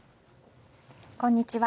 こんにちは。